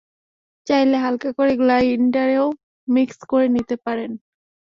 চাইলে হালকা করে গ্লাইন্ডারেও মিক্স করে নিতে পারেন।